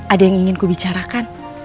ada yang ingin kubicarakan